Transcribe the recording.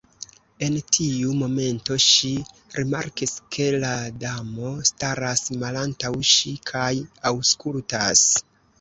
En tiu momento ŝi rimarkis ke la Damo staras malantaŭ ŝi kaj aŭskultas.